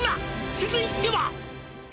「続いては」